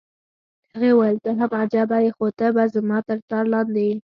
هغې وویل: ته هم عجبه يې، خو ته به زما تر څار لاندې یې.